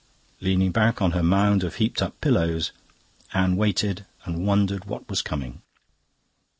Leaning back on her mound of heaped up pillows, Anne waited and wondered what was coming.